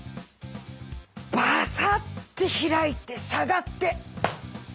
バサッて開いて下がって。